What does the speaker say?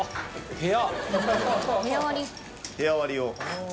部屋割りを。